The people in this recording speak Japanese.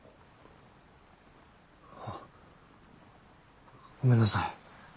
あごめんなさい。